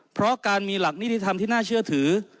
เพราะการมีหลักนิติธรรมที่น่าเชื่อถือ